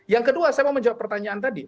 yang kedua saya mau menjawab pertanyaan tadi